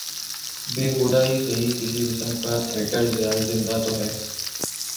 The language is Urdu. بیہودہ ہی سہی کسی قسم کا تھیٹر زندہ تو ہے۔